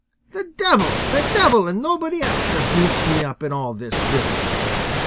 The devil, the devil and nobody else, has mixed me up in this business!"